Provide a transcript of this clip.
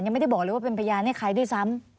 ไม่ได้บอกเลยว่าเป็นพยานให้ใครด้วยซ้ำ